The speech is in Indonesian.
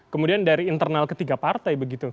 kemudian dari internal ketiga partai begitu